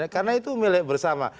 karena itu milik bersama